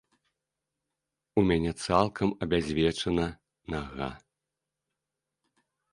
У мяне цалкам абязвечана нага.